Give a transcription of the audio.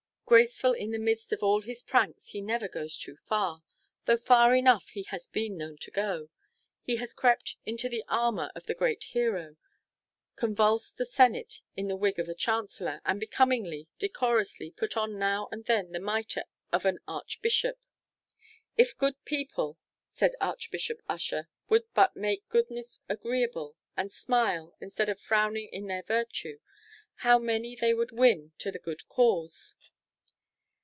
Graceful in the midst of all his pranks, he never goes too far though far enough he has been known to go he has crept into the armour of the great hero, convulsed the senate in the wig of a chancellor, and becomingly, decorously, put on now and then the mitre of an archbishop. "If good people," said Archbishop Usher, "would but make goodness agreeable, and smile, instead of frowning in their virtue, how many they would win to the good cause!"